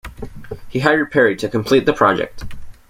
He hired Perry to complete the project.